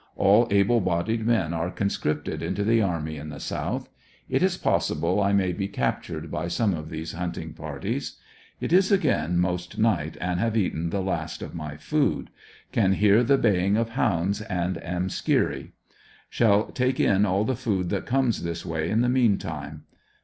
All able bodied men are con scripted into the army in the South. It is possible I may be cap tured by some of these hunting parties. It is again most night and shave eaten the last of my food. Can hear the baling of hounds ANDEBSONVILLE DIAR T, 12 5 and am skeery. Shall take in all the food that comes this way in the meantime.